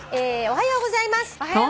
おはようございます。